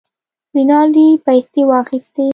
رینالډي پیسې واخیستې.